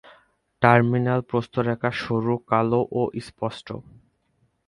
Terminal প্রান্তরেখা সরু, কালো ও স্পষ্ট।